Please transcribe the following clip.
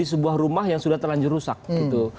ini adalah rumah yang sudah terlanjur rusak gitu